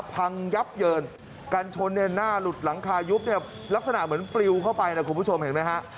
พังยับเยินกันชนเนี่ยหน้าหลุดหลังคายุบเนี่ยลักษณะเหมือนปลิวเข้าไปนะคุณผู้ชมเห็นไหมฮะ